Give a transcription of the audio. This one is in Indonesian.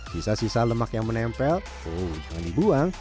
sisa sisa lemak yang menempel jangan dibuang